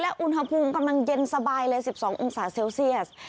อุณหภูมิกำลังเย็นสบายเลย๑๒องศาเซลเซียส